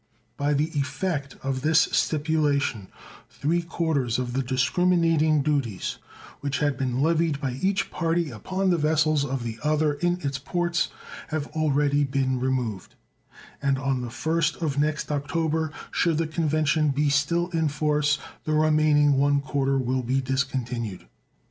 By the effect of this stipulation three quarters of the discriminating duties which had been levied by each party upon the vessels of the other in its ports have already been removed; and on the first of next October, should the convention be still in force, the remaining one quarter will be discontinued.